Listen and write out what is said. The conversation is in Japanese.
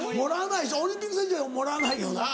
オリンピック選手は盛らないよな？